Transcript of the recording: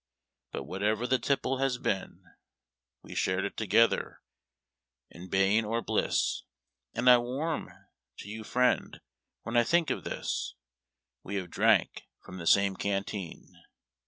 But, whatever the tipple has been, We shared it together, in bane or bliss, And I warm to you friend, when I think of this We have drank from the same canteen.